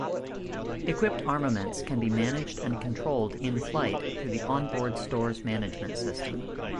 Equipped armaments can be managed and controlled inflight through the onboard stores management system.